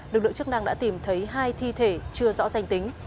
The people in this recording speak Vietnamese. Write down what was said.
lực lượng chức năng đã tìm thấy hai thi thể chưa rõ danh tính